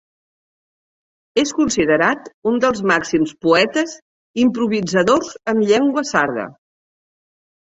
És considerat un dels màxims poetes improvisadors en llengua sarda.